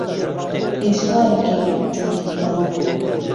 ئهی سووارهکهی جوندییه